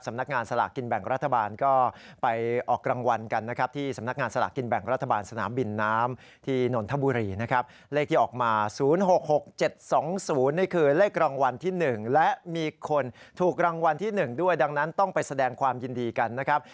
สำนักงานสลากินแบ่งรัฐบาลก็ไปออกรางวัลกันนะครับ